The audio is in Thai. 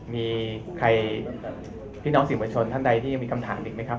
มีใครพี่น้องสิ่งประชนท่านใดที่ยังมีคำถามอีกไหมครับ